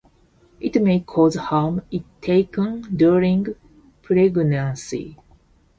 It may cause harm if taken during pregnancy.